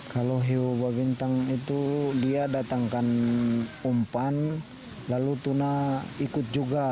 kalau hiu babintang itu dia datangkan umpan lalu tuna ikut juga